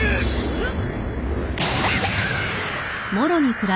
うっ！